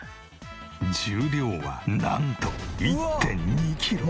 重量はなんと１．２キロ！